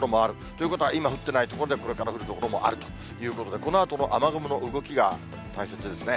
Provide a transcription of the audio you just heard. ということは、今降ってない所で、これから降る所もあるということで、このあとも雨雲の動きが大切ですね。